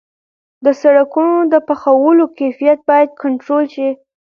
د سرکونو د پخولو کیفیت باید کنټرول شي.